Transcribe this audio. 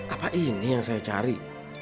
apa ini yang saya cari